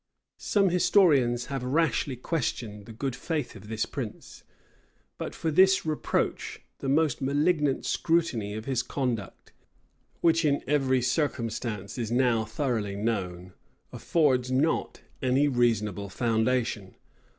Some historians have rashly questioned the good faith of this prince; but, for this reproach, the most malignant scrutiny of his conduct, which in every circumstance is now thoroughly known, affords not any reasonable foundation.